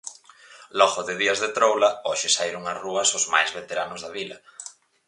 Logo de días de troula, hoxe saíron ás rúas os máis veteranos da vila.